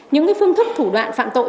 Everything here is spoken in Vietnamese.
những phương thức thủ đoạn phạm tội